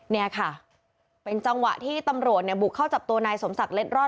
เนี่ยค่ะเป็นจังหวะที่ตำรวจเนี่ยบุกเข้าจับตัวนายสมศักดิ์เล็ดรอด